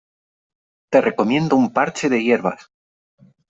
Te recomiendo un parche de hierbas.